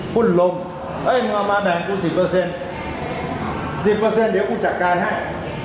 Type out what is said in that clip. หุ้นลมเอ้ยมึงเอามาแบ่งกูสิบเปอร์เซ็นต์สิบเปอร์เซ็นต์เดี๋ยวคุณจัดการให้